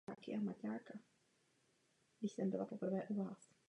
Netrvalo to příliš dlouho a Claire otěhotněla.